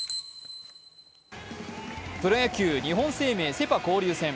プロ野球、日本生命セ・パ交流戦。